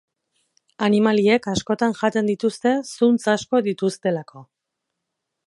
Animaliek askotan jaten dituzte zuntz asko dituztelako.